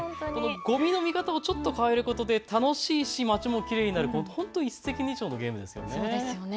ごみの見方をちょっと変えることで楽しいし街もきれいになる、本当に一石二鳥のゲームですね。